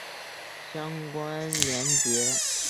相关连结